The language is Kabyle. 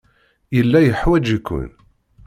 Yella yeḥwaj-iken.